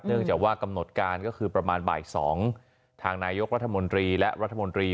จากว่ากำหนดการก็คือประมาณบ่าย๒ทางนายกรัฐมนตรีและรัฐมนตรี